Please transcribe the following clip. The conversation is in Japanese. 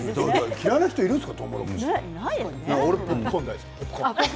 嫌いな人いるんですか？